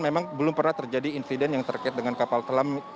memang belum pernah terjadi insiden yang terkait dengan kapal selam